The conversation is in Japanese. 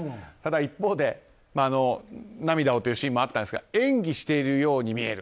一方で、涙をというシーンもあったんですが演技しているように見える。